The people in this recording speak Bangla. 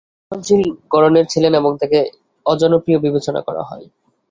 তিনি রক্ষণশীল গড়নের ছিলেন এবং তাকে অজনপ্রিয় বিবেচনা করা হয়।